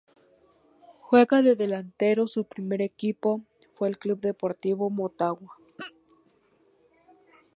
Juega de delantero, su primer equipo fue el Club Deportivo Motagua.